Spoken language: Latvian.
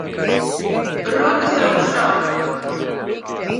Rokas augšā.